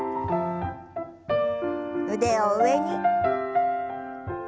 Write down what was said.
腕を上に。